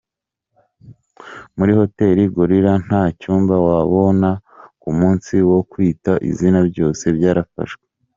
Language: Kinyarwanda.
Muri Hoteli Gorilla nta cyumba wabona ku munsi wo kwita izina byose byarafashwe.